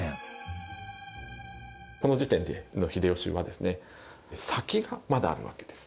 この時点の秀吉は先がまだあるわけです。